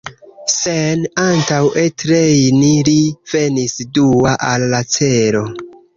Sen antaŭe trejni li venis dua al la celo.